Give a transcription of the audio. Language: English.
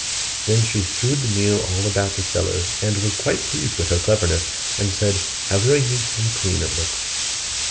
Then she strewed the meal all about the cellar, and was quite pleased with her cleverness, and said, 'How very neat and clean it looks!